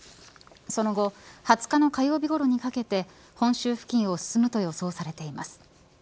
その後２０日の火曜日ごろにかけて本州付近を進むと予想されています。